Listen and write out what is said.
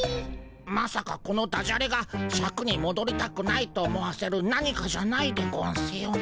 まさかこのダジャレがシャクにもどりたくないと思わせる何かじゃないでゴンスよね。